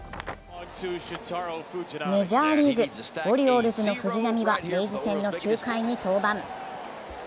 メジャーリーグ、オリオールズの藤波はレイズ戦の９回に登板。